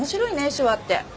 手話って。